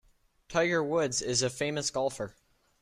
Tiger Woods is a famous golfer.